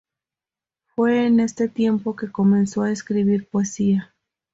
Fue en este tiempo que comenzó a escribir poesía.